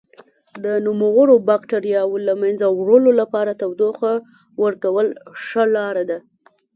د نوموړو بکټریاوو له منځه وړلو لپاره تودوخه ورکول ښه لاره ده.